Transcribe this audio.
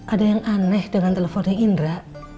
ada yang aneh dengan teleponnya indra